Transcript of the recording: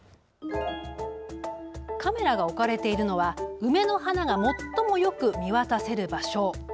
カメラが置かれているのは梅の花が最もよく見渡せる場所。